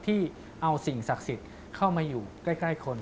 ที่เอาสิ่งศักดิ์สิทธิ์เข้ามาอยู่ใกล้คน